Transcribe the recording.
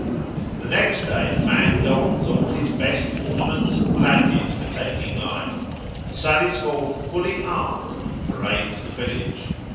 _ The next day the man dons all his best ornaments and badges for taking life, and sallies forth fully armed and parades the village.